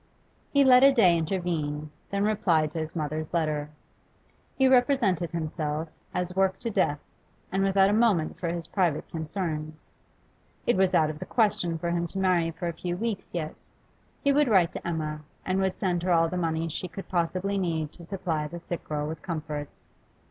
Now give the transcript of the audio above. He let a day intervene, then replied to his mother's letter. He represented himself as worked to death and without a moment for his private concerns; it was out of the question for him to marry for a few weeks yet. He would write to Emma, and would send her all the money she could possibly need to supply the sick girl with comforts.